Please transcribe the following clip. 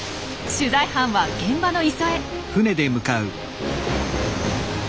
取材班は現場の磯へ。